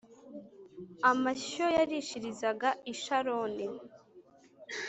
amashyo yarishirizaga i Sharoni